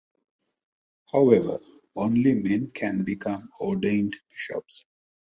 However, only men can become ordained bishops.